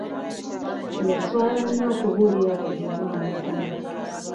Yaswala nnyo okubuulira buli omu amazima.